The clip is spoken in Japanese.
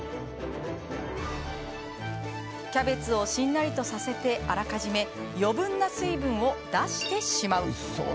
キャベツをしんなりとさせてあらかじめ余分な水分を出してしまう。